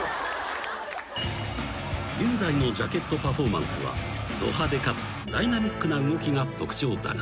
［現在のジャケットパフォーマンスはど派手かつダイナミックな動きが特徴だが］